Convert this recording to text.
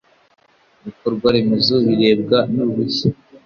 Bikorwaremezo birebwa n uruhushya